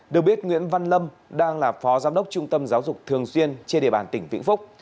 được biết nguyễn văn lâm đang là phó giám đốc trung tâm giáo dục thường xuyên trên địa bàn tỉnh vĩnh phúc